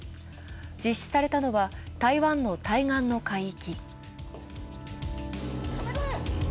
実施されたのは台湾の対岸の海域。